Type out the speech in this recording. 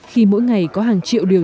khi mỗi ngày có hàng triệu điều